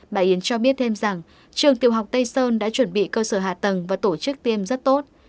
bà yến cho biết thêm rằng trường tiểu học tây sơn đã chuẩn bị cơ sở hạ tầng và tổ chức tiêm rất tốt